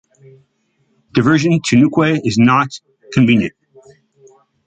Diversion to Newquay is not convenient.